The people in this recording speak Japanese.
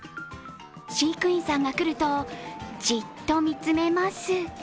飼育員さんが来るとじっと見つめます。